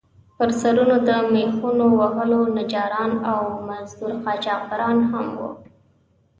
پر سرونو د میخونو وهلو نجاران او د زمُردو قاچاقبران هم وو.